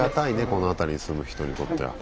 この辺りに住む人にとっては。